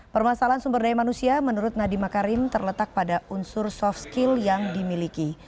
permasalahan sumber daya manusia menurut nadiem makarim terletak pada unsur soft skill yang dimiliki